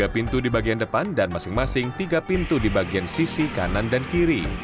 tiga pintu di bagian depan dan masing masing tiga pintu di bagian sisi kanan dan kiri